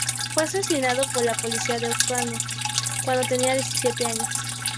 Fue asesinado por la policía de Oakland cuándo tenía diecisiete años.